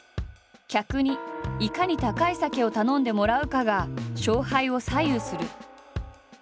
客にいかに高い酒を頼んでもらうかが勝敗を左右する。